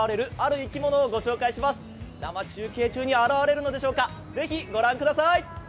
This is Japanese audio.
生中継中に現れるんでしょうかぜひ、ご覧ください。